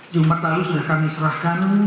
jumat lalu sudah kami serahkan